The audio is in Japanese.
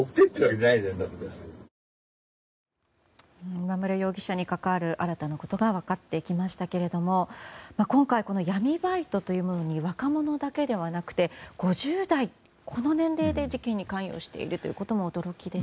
今村容疑者に関わる新たなことが分かっていきましたけども今回、闇バイトというものに若者だけではなくて５０代、この年齢で事件に関与していることも驚きでした。